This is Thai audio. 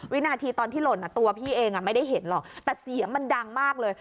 วินาทีตอนที่หล่นตัวพี่เองไม่ได้เห็นหรอกแต่เสียงมันดังมากเลย